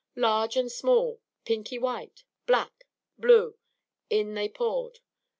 Large and small, pinky white, black, blue, in they poured.